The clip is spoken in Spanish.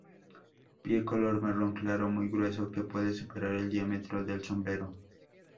Pie color marrón claro, muy grueso, que puede superar el diámetro del sombrero.